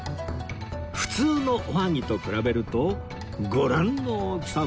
普通のおはぎと比べるとご覧の大きさ